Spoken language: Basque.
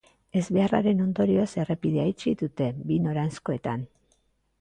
Ezbeharraren ondorioz, errepidea itxi dute bi noranzkoetan.